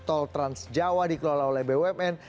tol trans jawa dikelola oleh bumn